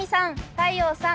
太陽さん